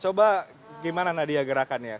coba gimana nadia gerakannya